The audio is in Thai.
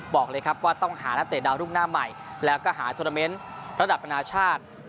บอกเลยครับว่าต้องหานักเตะดาวรุ่งหน้าใหม่แล้วก็หาโทรเมนต์ระดับนานาชาติ